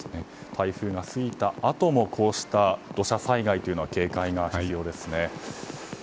台風が過ぎたあともこうした土砂災害というのは警戒が必要ですね。